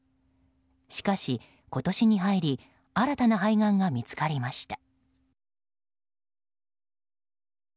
しかし、今年に入り新たな肺がんが見つかりました。